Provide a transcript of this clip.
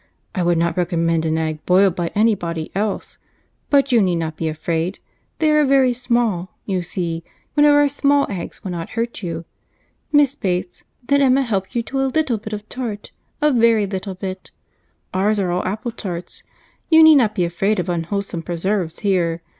I would not recommend an egg boiled by any body else; but you need not be afraid, they are very small, you see—one of our small eggs will not hurt you. Miss Bates, let Emma help you to a little bit of tart—a very little bit. Ours are all apple tarts. You need not be afraid of unwholesome preserves here.